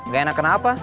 gak enak kenapa